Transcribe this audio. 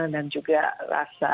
dan juga rasa